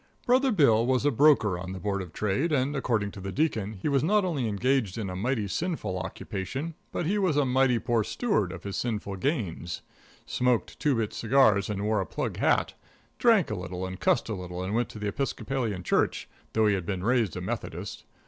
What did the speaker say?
Brother Bill was a broker on the Board of Trade, and, according to the Deacon, he was not only engaged in a mighty sinful occupation, but he was a mighty poor steward of his sinful gains. Smoked two bit cigars and wore a plug hat. Drank a little and cussed a little and went to the Episcopal Church, though he had been raised a Methodist.